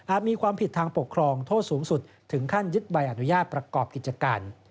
มีความผิดทางปกครองโทษสูงสุดถึงขั้นยึดใบอนุญาตประกอบกิจการ